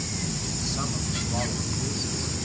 In some of the following cases.